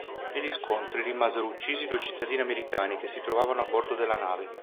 Negli scontri rimasero uccisi due cittadini americani che si trovavano a bordo della nave.